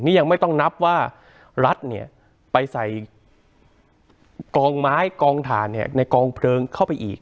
นี่ยังไม่ต้องนับว่ารัฐเนี่ยไปใส่กองไม้กองฐานในกองเพลิงเข้าไปอีก